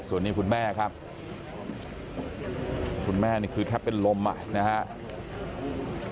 ส่วนนี้คุณแม่ครับคุณแม่นี่คือแทบเป็นลมอ่ะนะครับ